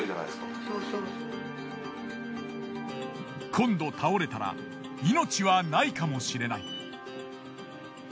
今度倒れたら命はないかもしれない。